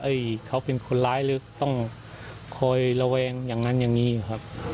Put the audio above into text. เขาเป็นคนร้ายหรือต้องคอยระแวงอย่างนั้นอย่างนี้ครับ